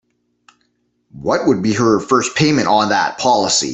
What would be her first payment on that policy?